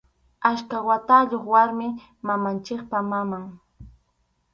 Achka watayuq warmi, mamanchikpa maman.